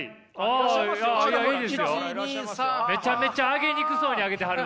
めちゃめちゃあげにくそうにあげてはるわ！